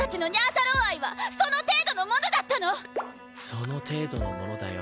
その程度のものだよ。